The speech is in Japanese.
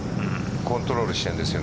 コントロールしちゃうんですよ